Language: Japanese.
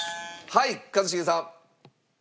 はい一茂さん！